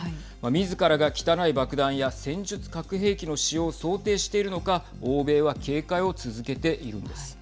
みずからが汚い爆弾や戦術核兵器の使用を想定しているのか欧米は警戒を続けているんです。